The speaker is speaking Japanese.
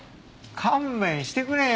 勘弁してくれよ。